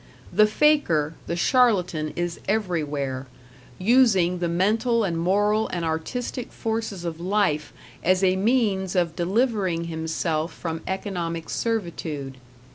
The faker, the charlatan is everywhere using the mental and moral and artistic forces of life as a means of delivering himself from economic servitude.